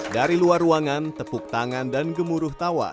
dari luar ruangan tepuk tangan dan gemuruh tawa